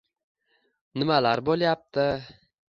Nimalar bo`lyapti